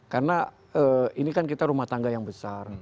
karena ini kan kita rumah tangga yang besar